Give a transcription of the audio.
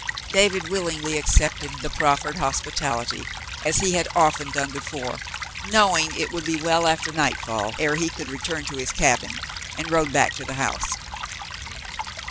David willingly accepted the proffered hospitality, as he had often done before, knowing it would be well after nightfall ere he could return to his cabin, and rode back to the house.